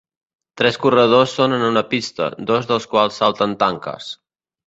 Tres corredors són en una pista, dos dels quals salten tanques.